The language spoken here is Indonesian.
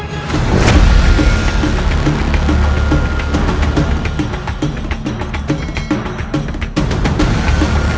kau itu snowoman